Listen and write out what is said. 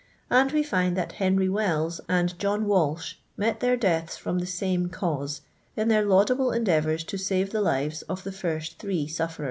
And we find that I llenr}' Wells and John Walsh met their deaths I from the same cause, in their laudable endeaToan to feave the lives of the first three sufleren.